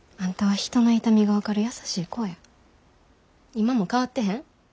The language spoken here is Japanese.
今も変わってへん。